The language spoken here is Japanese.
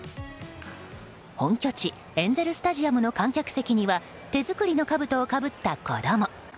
本拠地エンゼル・スタジアムの観客席には手作りのかぶとをかぶった子供。